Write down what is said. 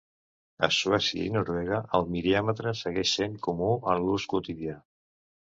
A Suècia i Noruega, el "miriàmetre" segueix sent comú en l'ús quotidià.